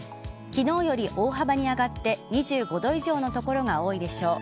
昨日より大幅に上がって２５度以上の所が多いでしょう。